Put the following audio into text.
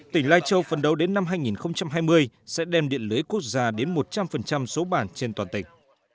tỉnh lai châu phần đầu đến năm hai nghìn hai mươi sẽ đem điện lưới quốc gia đến một trăm linh số bản trên toàn tỉnh